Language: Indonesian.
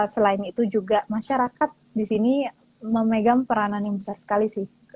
selain itu juga masyarakat di sini memegang peranan yang besar sekali sih